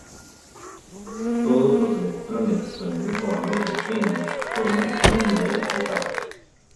Todos los electrones con el mismo valor de "n" forman un nivel o capa.